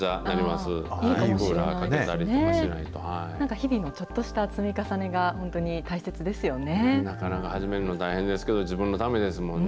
日々のちょっとした積み重ねが本なかなか始めるの大変ですけど、自分のためですもんね。